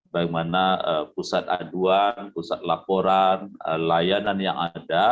bagaimana pusat aduan pusat laporan layanan yang ada